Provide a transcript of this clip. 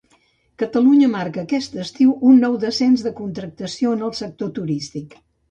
Catalunya marca aquest estiu un nou descens de contractació en el sector turístic.